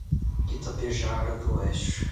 Itapejara d'Oeste